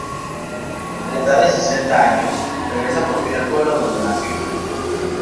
A la edad de sesenta años, regresa por fin al pueblo donde nació.